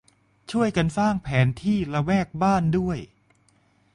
ช่วยกันสร้างแผนที่ละแวกบ้าน ด้วย